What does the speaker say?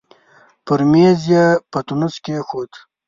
پر مېز يې پتنوس کېښود.